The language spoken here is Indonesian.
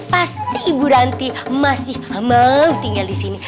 pasti ibu ranti masih mau tinggal disini